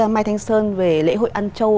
mai thanh sơn về lễ hội ăn châu